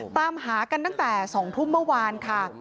ตามหากันตั้งแต่๒ทุ่มเมื่อวานค่ะ